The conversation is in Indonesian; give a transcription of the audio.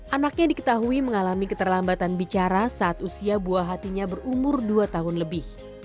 anaknya diketahui mengalami keterlambatan bicara saat usia buah hatinya berumur dua tahun lebih